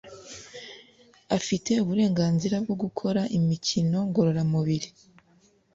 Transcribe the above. afite uburenganzira bwo gukora imikino ngororamubiri